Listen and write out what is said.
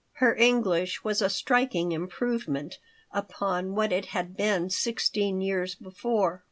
Her English was a striking improvement upon what it had been sixteen years before.